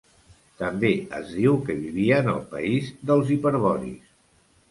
També es diu que vivien al país dels hiperboris.